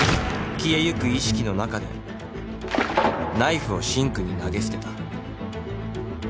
消えゆく意識の中でナイフをシンクに投げ捨てた。